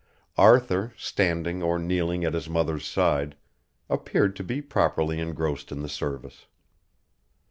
Arthur, standing or kneeling at his mother's side, appeared to be properly engrossed in the service.